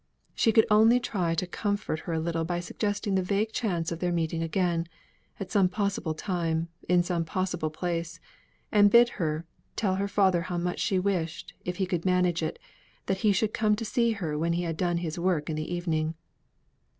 She could only try to comfort her a little by suggesting the vague chance of their meeting again, at some possible time, in some possible place, and bid her tell her father how much she wished, if he could manage it, that he should come to see her when he had done his work in the evening.